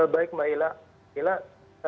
baik mbak hila